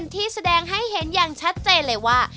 ที่แสดงให้เห็นอย่างชัดเจนเลยว่า